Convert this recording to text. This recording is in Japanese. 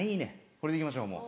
これで行きましょうもう。